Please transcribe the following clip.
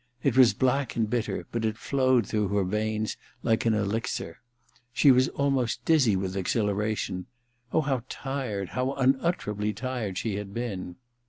It was black and bitter, but it flowed through her veins like an elixir. She was almost dizzy with 224 THE RECKONING iii exhilaration. Oh, how tired, how unutterably tired she had been